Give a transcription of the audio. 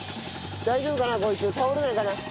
大丈夫かな？